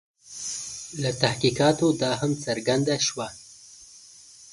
له تحقیقاتو دا هم څرګنده شوه.